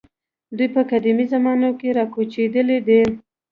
دوی په قدیمو زمانو کې راکوچېدلي دي.